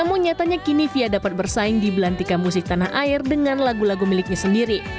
namun nyatanya kini fia dapat bersaing di belantika musik tanah air dengan lagu lagu miliknya sendiri